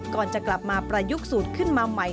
ก่อนจะกลับมาประยุกต์สูตรขึ้นมาใหม่